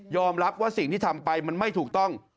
รับว่าสิ่งที่ทำไปมันไม่ถูกต้อง